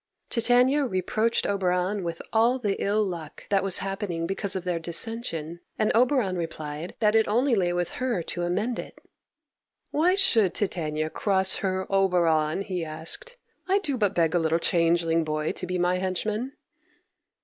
Titania reproached Oberon with all the ill luck that was happening because of their dissension, and Oberon replied that it only lay with her to amend it. "Why should Titania cross her Oberon?" he asked. "I do but beg a little changeling boy to be my henchman."